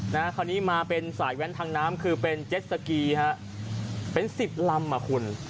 คราวนี้มาเป็นสายแว้นทางน้ำคือเป็นเจ็ดสกีฮะเป็นสิบลำอ่ะคุณ